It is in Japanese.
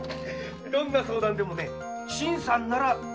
どんな相談でも新さんなら大丈夫。